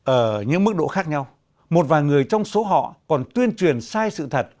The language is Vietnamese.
ở những mức độ khác nhau một vài người trong số họ còn tuyên truyền sai sự thật